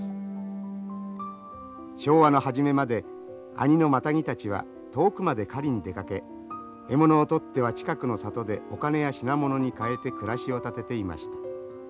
昭和の初めまで阿仁のマタギたちは遠くまで狩りに出かけ獲物を取っては近くの里でお金や品物に換えて暮らしを立てていました。